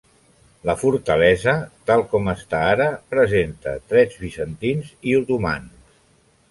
La fortalesa, tal com està ara, presenta trets bizantins i otomans.